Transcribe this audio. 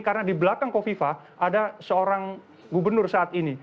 karena di belakang kofifa ada seorang gubernur saat ini